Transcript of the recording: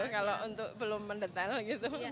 kalau untuk belum mendetail gitu